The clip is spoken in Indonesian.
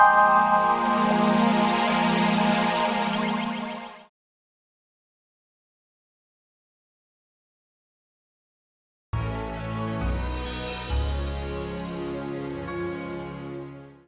apit sudah dianggap keponakan dia juga